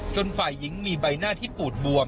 ฝ่ายหญิงมีใบหน้าที่ปูดบวม